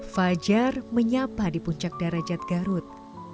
fajar menyapa di puncak darajat garut